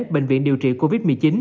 bệnh viện điều trị covid một mươi chín